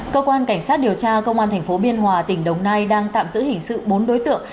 cơ quan cảnh sát điều tra công an tp biên hòa tỉnh đồng nai đang tạm giữ hình sự bốn đối tượng